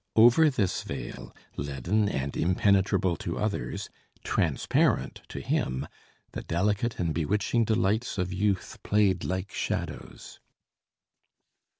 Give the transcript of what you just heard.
Over this veil, leaden and impenetrable to others, transparent to him, the delicate and bewitching delights of youth played like shadows.